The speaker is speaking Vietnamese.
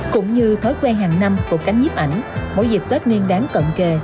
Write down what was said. cũng như thói quen hàng năm của cánh nhiếp ảnh mỗi dịp tết nguyên đáng cận kề